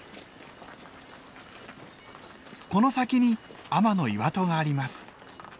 この先に天岩戸があります。